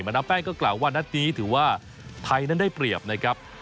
ดามแป้งก็กล่าวว่านัดนี้ถือว่าไทยนั้นได้เปรียบนะครับ